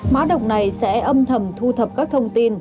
mã độc này sẽ âm thầm thu thập các thông tin